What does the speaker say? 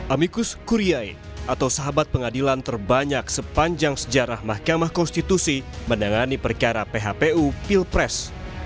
amikus kuriaye atau sahabat pengadilan terbanyak sepanjang sejarah mahkamah konstitusi menangani perkara phpu pilpres